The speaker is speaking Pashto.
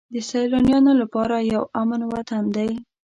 د سیلانیانو لپاره یو امن وطن دی.